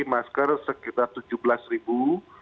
masker sekitar tujuh belas ribu